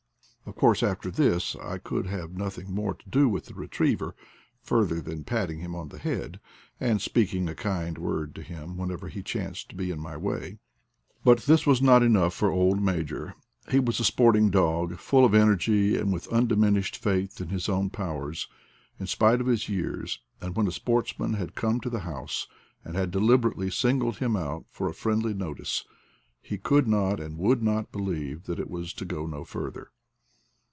Of course, after this, I could have nothing more to do with the retriever, further than patting him on the head, and speaking a kind word to him whenever he chanced to be in my way. But this was not enough for old Major. He was a sport ing dog, full of energy, and with undiminished faith in his own powers, in spite of his years, and when a sportsman had come to the house, and had deliberately singled him out for friendly notice, he could not and would not believe that it was to go no further.